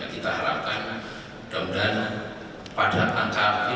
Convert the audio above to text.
kita harapkan mudah mudahan